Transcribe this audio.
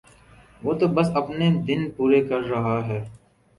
وہ تو بس اپنے دن پورے کر رہا ہے